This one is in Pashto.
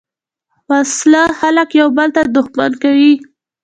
وسله خلک یو بل ته دښمن کوي